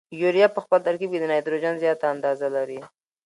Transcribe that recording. یوریا په خپل ترکیب کې د نایتروجن زیاته اندازه لري.